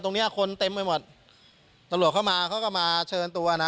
เนี้ยคนเต็มไปหมดตำรวจเข้ามาเขาก็มาเชิญตัวนะ